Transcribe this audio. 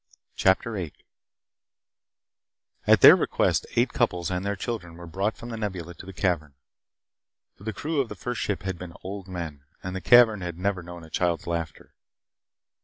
CHAPTER 8 At their request, eight couples and their children were brought from The Nebula to the cavern. For the crew of the first ship had been old men and the cavern had never known a child's laughter.